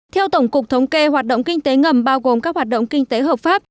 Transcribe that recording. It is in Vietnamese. theo tổng cục thống kê hoạt động kinh tế ngầm bao gồm các hoạt động kinh tế hợp pháp